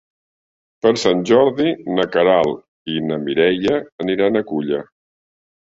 Per Sant Jordi na Queralt i na Mireia aniran a Culla.